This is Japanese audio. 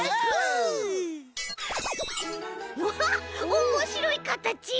おもしろいかたち。